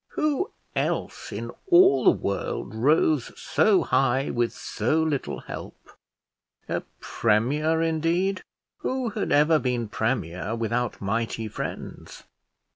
Who else in all the world rose so high with so little help? A premier, indeed! Who had ever been premier without mighty friends?